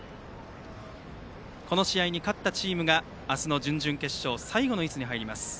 この試合に勝ったチームが明日の準々決勝最後のいすに入ります。